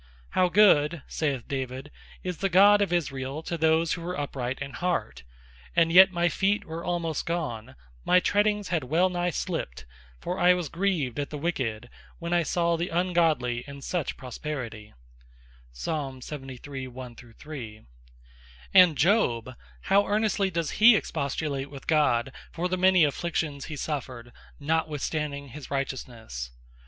"How Good," saith David, "is the God of Israel to those that are Upright in Heart; and yet my feet were almost gone, my treadings had well nigh slipt; for I was grieved at the Wicked, when I saw the Ungodly in such Prosperity." And Job, how earnestly does he expostulate with God, for the many Afflictions he suffered, notwithstanding his Righteousnesse?